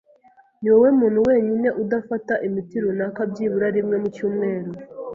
Niwowe muntu wenyine udafata imiti runaka byibura rimwe mu cyumweru